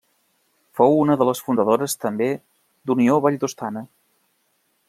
Fou una de les fundadores també d'Unió Valldostana.